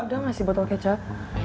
udah gak sih botol kecap